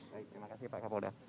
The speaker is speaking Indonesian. terima kasih pak kapolda